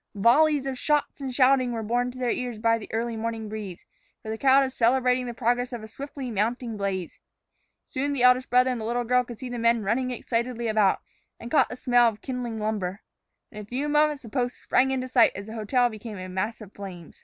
Volleys of shots and shouting were borne to their ears by the early morning breeze, for the crowd was celebrating the progress of a swiftly mounting blaze. Soon the eldest brother and the little girl could see the men running excitedly about, and caught the smell of kindling lumber. In a few moments the post sprang into sight as the hotel became a mass of flame.